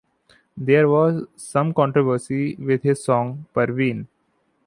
There was some controversy with his song "Parveen".